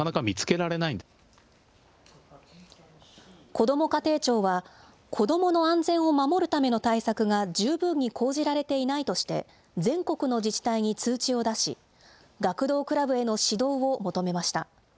こども家庭庁は、子どもの安全を守るための対策が十分に講じられていないとして、全国の自治体に通知を出し、学童クラブへの指導を求めました。